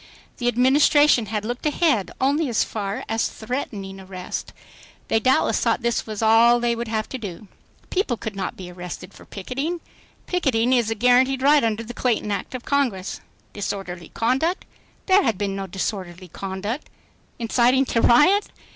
The Administration had looked ahead only as far as threatening arrest. They doubtless thought this was all they would have to do. People could not be arrested for picketing. Picketing is a guaranteed right under the Clayton Act of Congress. Disorderly conduct? There had been no disorderly I conduct. Inciting to riot?